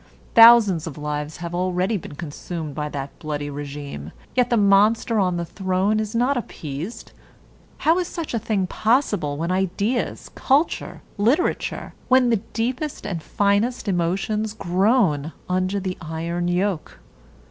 Thousands of lives have already been consumed by that bloody regime, yet the monster on the throne is not appeased. How is such a thing possible when ideas, culture, literature, when the deepest and finest emotions groan under the iron yoke?